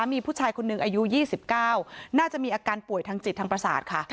มีผู้ชายคนหนึ่งอายุ๒๙น่าจะมีอาการป่วยทางจิตทางประสาทค่ะ